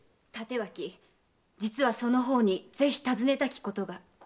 帯刀実はその方にぜひ尋ねたきことが。